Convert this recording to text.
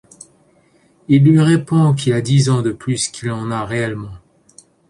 Il lui répond qu'il a dix ans de plus qu'il en a réellement.